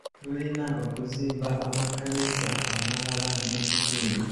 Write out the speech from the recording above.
Tulina okuzimba amakanisa amalala mu kitundu.